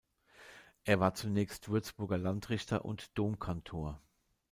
Er war zunächst Würzburger Landrichter und Domkantor.